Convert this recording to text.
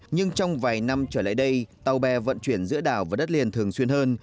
nhưng trong vài năm trở lại đây tàu bè vận chuyển giữa đảo và đất liền thường xuyên hơn